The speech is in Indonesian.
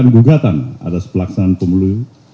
dan gugatan ada sepelaksanaan pemilu